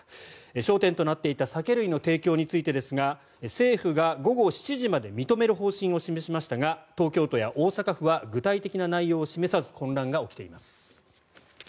焦点となっていた酒類の提供についてですが政府が午後７時まで認める方針を示しましたが東京都や大阪府は具体的な内容を示さず混乱が起きています。